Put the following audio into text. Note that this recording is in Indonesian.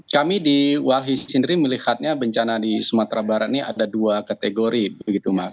kami di walhi sendiri melihatnya bencana di sumatera barat ini ada dua kategori begitu mas